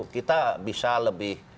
kita bisa lebih